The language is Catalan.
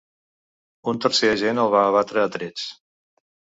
Un tercer agent el va abatre a trets.